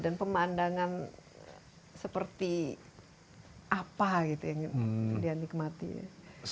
dan pemandangan seperti apa gitu yang dianikmati